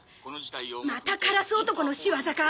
またカラス男の仕業か！